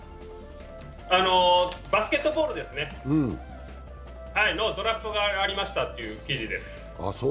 バスケットボールのドラフトがありましたという記事です。